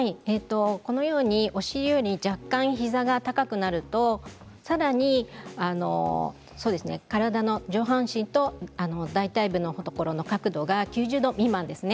このように、お尻より若干膝が高くなりますとさらに体の上半身と大たい部のところの角度が９０度未満ですね。